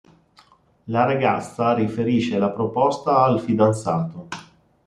La ragazza riferisce la proposta al fidanzato.